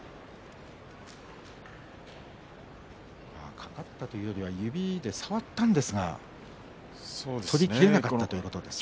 掛かったというよりは指で触ったんですが取りきれなかったという感じですかね。